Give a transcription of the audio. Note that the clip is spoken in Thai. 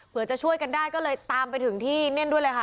จะช่วยกันได้ก็เลยตามไปถึงที่นั่นด้วยเลยค่ะ